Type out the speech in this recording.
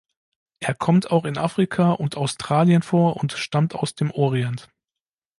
Er kommt auch in Afrika und Australien vor und stammt aus dem Orient.